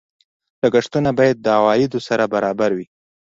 لګښتونه باید د عوایدو سره برابر وي.